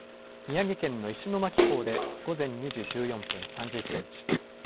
宮城県の石巻港で午前２時１４分３０センチ